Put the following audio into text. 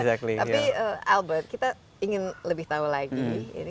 tapi albert kita ingin lebih tahu lagi